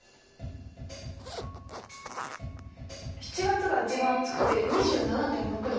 ７月が一番暑くて２７．６度。